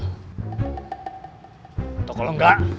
atau kalo enggak